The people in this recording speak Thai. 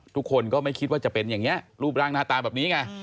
ทุกคนก็ไม่คิดว่าจะเป็นอย่างนี้รูปร่างหน้าตาแบบนี้ไง